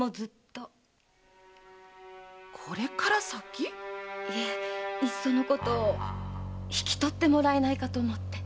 これから先⁉ええいっそのこと引き取ってもらえないかと思って。